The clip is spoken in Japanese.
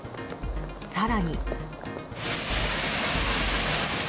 更に。